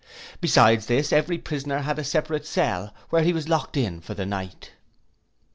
Besides this, every prisoner had a separate cell, where he was locked in for the night.